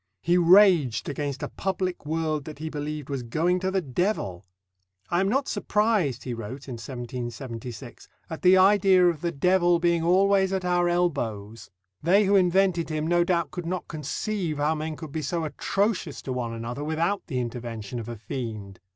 He raged against a public world that he believed was going to the devil. "I am not surprised," he wrote in 1776, "at the idea of the devil being always at our elbows. They who invented him no doubt could not conceive how men could be so atrocious to one another, without the intervention of a fiend.